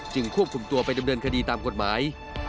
ควบคุมตัวไปดำเนินคดีตามกฎหมาย